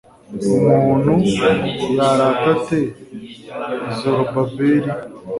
umuntu yarata ate zorobabeli